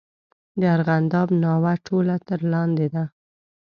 د ارغنداب ناوه ټوله تر لاندې ده.